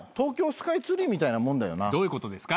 どういうことですか？